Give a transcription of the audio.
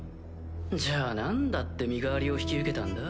じゃあなんだって身代わりを引き受けたんだ？